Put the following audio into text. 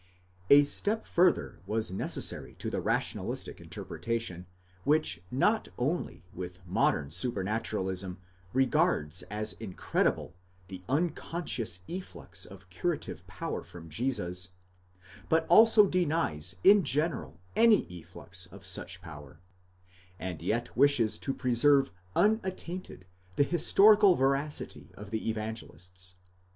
A step further was necessary to the rationalistic interpretation, which not only with modern supranaturalism regards as incredible the unconscious efflux of curative power from Jesus, but also denies in general any efflux of such power, and yet wishes to preserve unattainted the historical veracity of the Evangelists.